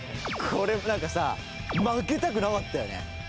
これなんかさ負けたくなかったよね。